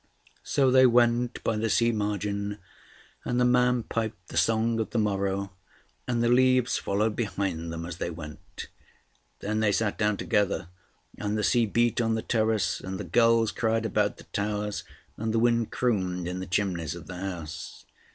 So they went by the sea margin, and the man piped the song of the morrow, and the leaves followed behind them as they went. Then they sat down together; and the sea beat on the terrace, and the gulls cried about the towers, and the wind crooned in the chimneys of the house.